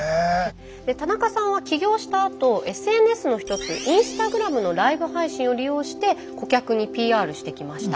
田中さんは起業したあとＳＮＳの一つインスタグラムのライブ配信を利用して顧客にＰＲしてきました。